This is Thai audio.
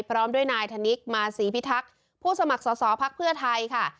พร้อมด้วยนายธนิกมาศรีพิทักษ์ผู้สมัครสอสอภักดิ์เพื่อไทยค่ะ